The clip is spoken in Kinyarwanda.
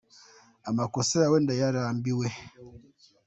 Amakosa yawe ndayarambiwe.